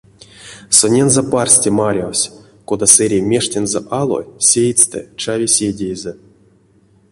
Сонензэ парсте марявсь, кода сэрей мештензэ ало сеетьстэ чави седеезэ.